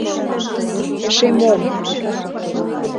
— Эше мом!..